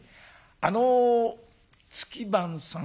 「あの月番さん」。